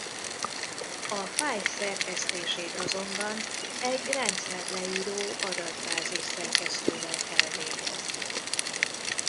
A fájl szerkesztését azonban egy rendszerleíróadatbázis-szerkesztővel kell végezni.